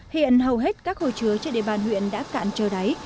hiện hầu hết các hồ chứa trên địa bàn huyện đã cạn trời đáy